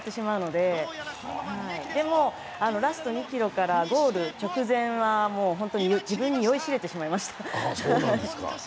でもラスト２ｋｍからゴール直前は自分に酔いしれてしまいました。